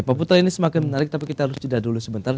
pak putra ini semakin menarik tapi kita harus jeda dulu sebentar